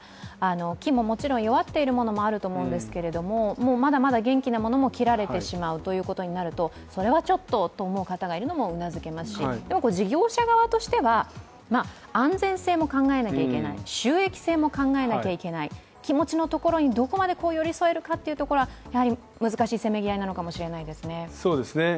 木ももちろん弱っているものもあると思うんですけれども、まだまだ元気なものも切られてしまうということになるとそれはちょっとと思う方がいるのもうなずけますし、でも事業者側としては安全性も考えなきゃいけない、収益性も考えなければいけない気持ちのところにどこまで寄り添えるかというのは難しいせめぎ合いなのかもしれないですね。